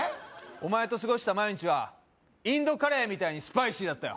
お前と過ごした毎日はインドカレーみたいにスパイシーだったよ